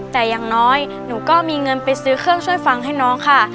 แต่อย่างน้อยหนูก็มีเงินไปซื้อเครื่องช่วยฟังให้น้องค่ะ